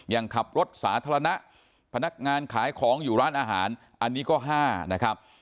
อย่างขับรถสาธารณะพนักงานขายของอยู่ร้านอาหารอันนี้ก็๕นะครับ